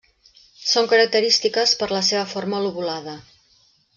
Són característiques per la seva forma lobulada.